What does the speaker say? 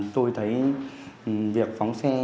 tôi thấy việc phóng xe